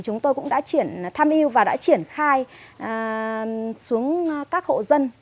chúng tôi cũng đã tham mưu và đã triển khai xuống các hộ dân